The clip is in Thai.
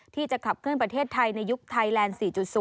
ที่จะขับเคลื่อนประเทศไทยในยุคไทยแลนด์๔๐